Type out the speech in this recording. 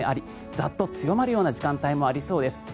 ザッと強まるような時間帯もありそうです。